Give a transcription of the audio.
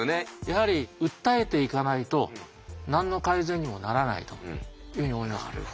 やはり訴えていかないと何の改善にもならないというふうに思います。